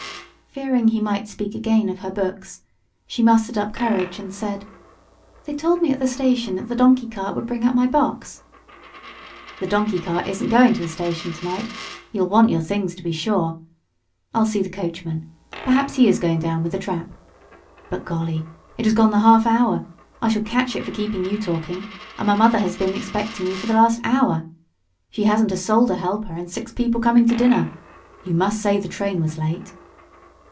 Fearing he might speak again of her books, she mustered up courage and said "They told me at the station that the donkey cart would bring up my box." "The donkey cart isn't going to the station to night you'll want your things, to be sure. I'll see the coachman; perhaps he is going down with the trap. But, golly! it has gone the half hour. I shall catch it for keeping you talking, and my mother has been expecting you for the last hour. She hasn't a soul to help her, and six people coming to dinner. You must say the train was late."